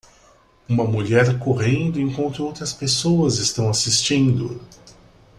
Uma mulher correndo enquanto outras pessoas estão assistindo.